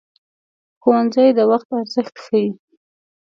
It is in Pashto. ښوونځی د وخت ارزښت ښيي